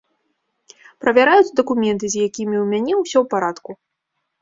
Правяраюць дакументы, з якімі ў мяне ўсё ў парадку.